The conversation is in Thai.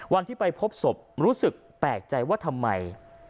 วันที่ไปพบศพรู้สึกแปลกใจว่าทำไม